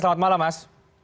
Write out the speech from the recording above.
selamat malam mas